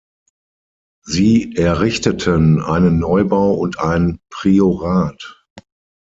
Sie errichteten einen Neubau und ein Priorat.